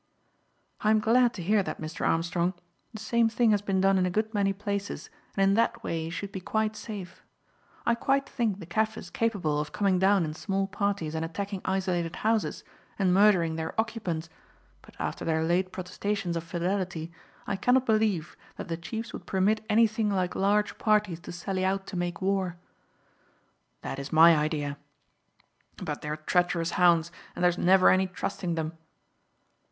"I am glad to hear that, Mr. Armstrong; the same thing has been done in a good many places and in that way you should be quite safe. I quite think the Kaffirs capable of coming down in small parties and attacking isolated houses, and murdering their occupants; but after their late protestations of fidelity, I cannot believe that the chiefs would permit anything like large parties to sally out to make war." "That is my idea. But they are treacherous hounds, and there is never any trusting them."